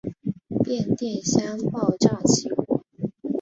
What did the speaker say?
变电箱爆炸起火。